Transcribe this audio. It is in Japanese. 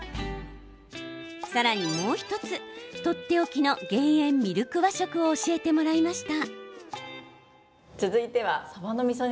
さらにもう１つ、とっておきの減塩ミルク和食を教えてもらいました。